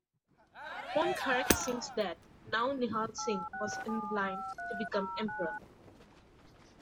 Upon Kharak Singh's death, Nau Nihal Singh was in line to become Emperor.